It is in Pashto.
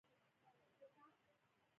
په دې کې د باصلاحیته چارواکي لاسلیک وي.